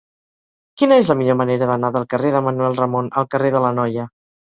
Quina és la millor manera d'anar del carrer de Manuel Ramon al carrer de l'Anoia?